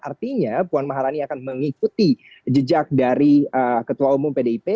artinya puan maharani akan mengikuti jejak dari ketua umum pdip